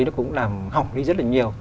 nó cũng làm hỏng đi rất là nhiều